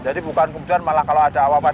jadi bukan pembunuhan malah kalau ada awal awal